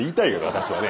私はね。